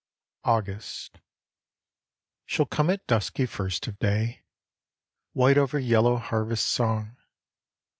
AUGUST She'll come at dusky first of day, White over yellow harvest's song.